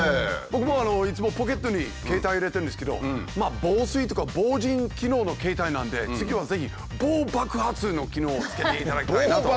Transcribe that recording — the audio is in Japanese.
僕もいつもポケットに携帯入れてるんですけど防水とか防塵機能の携帯なんで次はぜひ防爆発の機能を付けていただきたいなと。